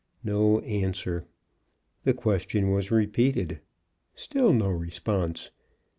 No answer. The question was repeated; still no response.